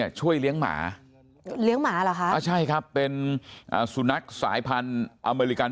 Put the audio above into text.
ช่วยเลี้ยงหมาเลี้ยงหมาเหรอคะอ่าใช่ครับเป็นสุนัขสายพันธุ์อเมริกัน